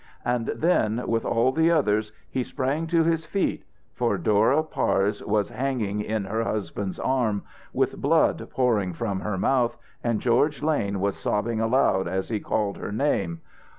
And then, with all the others, he sprang to his feet, for Dora Parse was hanging in her husband's arms, with blood pouring from her mouth and George Lane was sobbing aloud as he called her name.